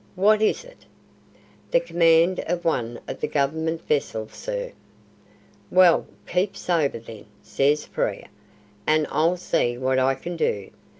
"What is it?" "The command of one of the Government vessels, sir." "Well, keep sober, then," says Frere, "and I'll see what I can do.